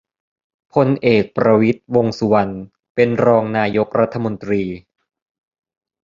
พลเอก ประวิตร วงษ์สุวรรณ เป็นรองนายกรัฐมนตรี